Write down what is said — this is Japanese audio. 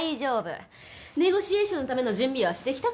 ネゴシエーションのための準備はしてきたから。